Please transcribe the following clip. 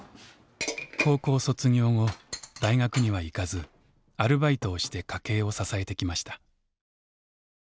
高校卒業後大学には行かずアルバイトをして家計を支えてきました。